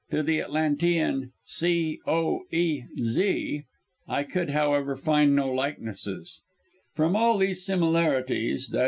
To the Atlantean "[Atlantean: C, O, E, Z] "I could, however, find no likeness. "From all these similarities, _i.